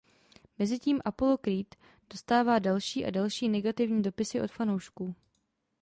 Mezitím Apollo Creed dostává další a další negativní dopisy od fanoušků.